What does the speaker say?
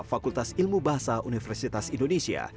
fakultas ilmu bahasa universitas indonesia